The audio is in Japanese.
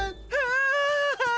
ああ！